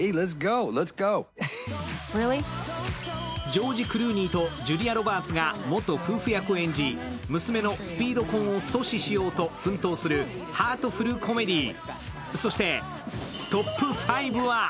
ジョージ・クルーニーとジュリア・ロバーツが元夫婦役を演じ娘のスピード婚を阻止しようと奮闘するハートフルコメディー。